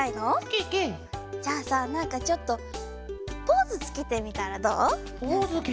ケケ！じゃあさなんかちょっとポーズつけてみたらどう？